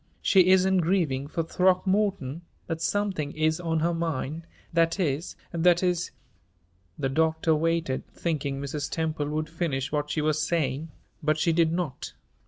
She isn't grieving for Throckmorton, but something is on her mind, that is that is " The doctor waited, thinking Mrs. Temple would finish what she was saying. But she did not.